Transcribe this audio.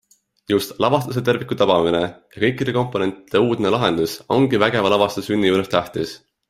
Just lavastuse terviku tabamine ja kõikide komponentide uudne lahendus ongi vägeva lavastuse sünni juures tähtis.